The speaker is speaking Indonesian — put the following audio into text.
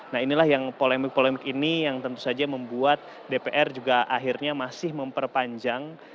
nah inilah yang polemik polemik ini yang tentu saja membuat dpr juga akhirnya masih memperpanjang